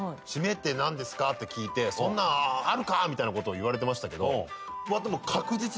「シメって何ですか？」って聞いて「そんなんあるか！」みたいなこと言われてましたけど。